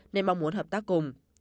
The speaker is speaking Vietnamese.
nên mong muốn hợp tác cùng